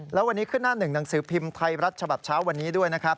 แล้ววันนี้ขึ้นหน้าหนึ่งหนังสือพิมพ์ไทยรัฐฉบับเช้าวันนี้ด้วยนะครับ